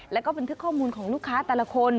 แล้วก็บันทึกข้อมูลของลูกค้าแต่ละคน